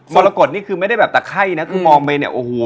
รกฏนี่คือไม่ได้แบบตะไข้นะคือมองไปเนี่ยโอ้โห